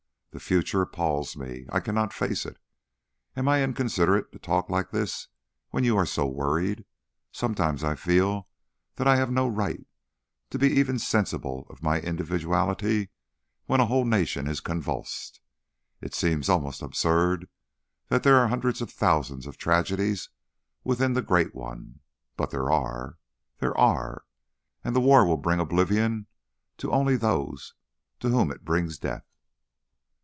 The future appalls me. I cannot face it. Am I inconsiderate to talk like this when you are so worried? Sometimes I feel that I have no right to be even sensible of my individuality when a whole nation is convulsed; it seems almost absurd that there are hundreds of thousands of tragedies within the great one but there are! There are! And the war will bring oblivion to only those to whom it brings death."